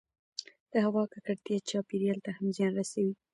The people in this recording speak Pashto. د هـوا کـکړتـيا چاپـېريال ته هم زيان رسـوي